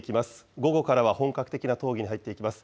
午後からは本格的な討議に入っていきます。